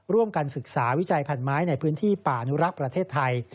ร่วมกันศึกษาวิจัยพันไม้ในพื้นที่ป่านุรักษ์ประเทศไทย